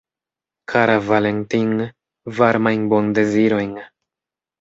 Kara Valentin, varmajn bondezirojn.